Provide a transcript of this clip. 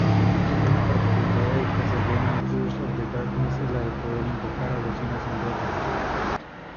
Una particularidad de Castlevania CoD es la de poder invocar a los Innocent Devils.